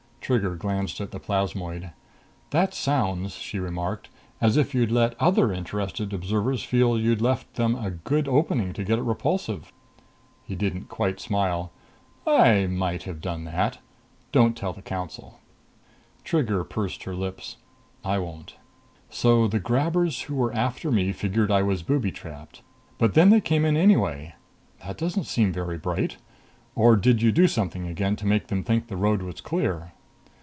Trigger glanced at the plasmoid. "That sounds," she remarked, "as if you'd let other interested observers feel you'd left them a good opening to get at Repulsive." He didn't quite smile. "I might have done that. Don't tell the Council." Trigger pursed her lips. "I won't. So the grabbers who were after me figured I was booby trapped. But then they came in anyway. That doesn't seem very bright. Or did you do something again to make them think the road was clear?"